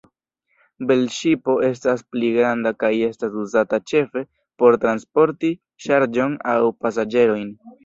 Velŝipo estas pli granda kaj estas uzata ĉefe por transporti ŝarĝon aŭ pasaĝerojn.